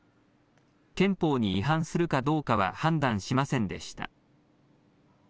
憲法に違反するかどうかは判断しませんでした。